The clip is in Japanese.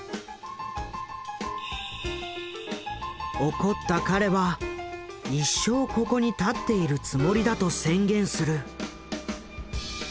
怒った彼は一生ここに立っているつもりだと宣言する。